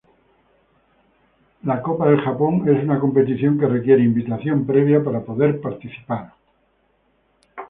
La Japan Cup es una competición que requiere invitación previa para poder participar.